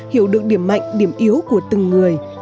hiểu được điểm mạnh điểm yếu của từng người